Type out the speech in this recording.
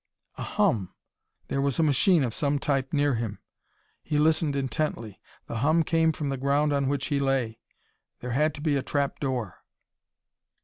A hum! There was a machine of some type near him. He listened intently. The hum came from the ground on which he lay. There had to be a trap door.